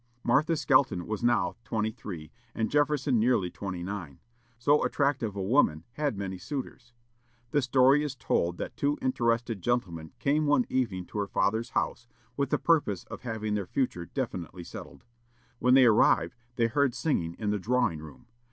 Martha Skelton was now twenty three, and Jefferson nearly twenty nine. So attractive a woman had many suitors. The story is told that two interested gentlemen came one evening to her father's house, with the purpose of having their future definitely settled. When they arrived, they heard singing in the drawing room.